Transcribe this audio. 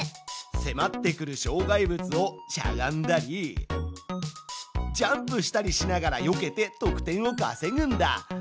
せまってくる障害物をしゃがんだりジャンプしたりしながらよけて得点をかせぐんだ。